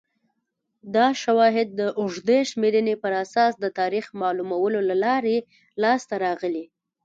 دا شواهد د اوږدې شمېرنې پر اساس د تاریخ معلومولو له لارې لاسته راغلي